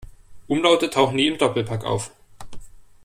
Umlaute tauchen nie im Doppelpack auf.